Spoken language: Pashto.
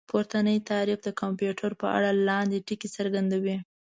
پورتنی تعريف د کمپيوټر په اړه لاندې ټکي څرګندوي